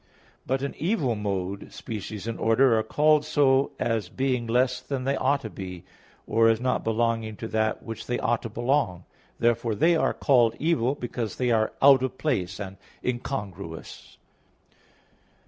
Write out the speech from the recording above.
"But an evil mode, species and order are so called as being less than they ought to be, or as not belonging to that which they ought to belong. Therefore they are called evil, because they are out of place and incongruous."